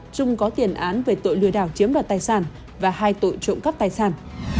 trung có tiền án về tội lừa đảo chiếm đoạt tài sản và hai tội trộm cắp tài sản